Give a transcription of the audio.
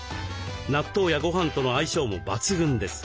納豆やごはんとの相性も抜群です。